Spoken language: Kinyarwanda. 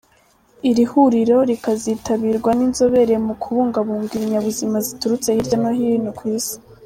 iri huriro rikazitabirwa n’inzobere mu kubungabunga ibinyabuzima ziturutse hirya no hino ku Isi.